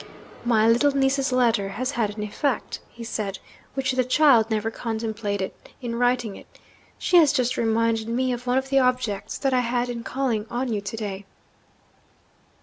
'My little niece's letter has had an effect,' he said, 'which the child never contemplated in writing it. She has just reminded me of one of the objects that I had in calling on you to day.'